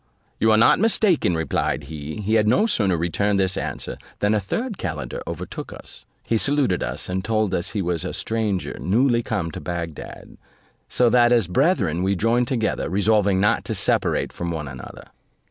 "You are not mistaken," replied he. He had no sooner returned this answer, than a third calender overtook us. He saluted us, and told us he was a stranger newly come to Bagdad; so that as brethren we joined together, resolving not to separate from one another.